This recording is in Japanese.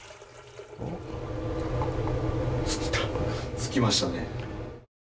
つきましたね。